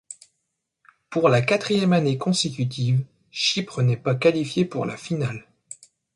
Pour la quatrième année consécutive, Chypre n'est pas qualifiée pour la finale.